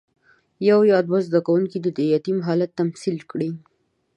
یو یا دوه زده کوونکي دې د یتیم حالت تمثیل کړي.